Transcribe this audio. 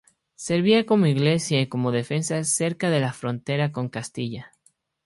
Servía como Iglesia y como defensa cerca de la frontera con Castilla.